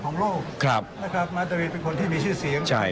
ของโลกครับนะครับมาตรีเป็นคนที่มีชื่อเสียงใช่